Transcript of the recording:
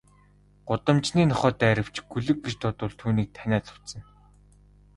Гудамжны нохой дайравч, гөлөг гэж дуудвал түүнийг таниад буцна.